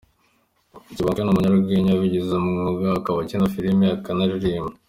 Kibonke ni Umunyarwenya wabigize umwuga, akaba akina filime akanaririmba.